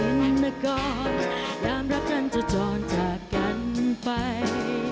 แสดงของอาจารย์ภาษาธรรมดินทรัพย์